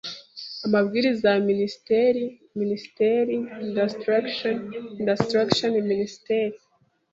Amabwiriza ya Minisitiri Ministerial Instructions Instructions Minist rielles